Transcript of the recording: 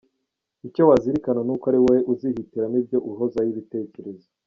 Icyo wazirikana ni uko ari wowe uzihitiramo ibyo uhozaho ibitekerezo.